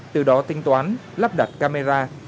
từ đó tinh toán lắp đặt camera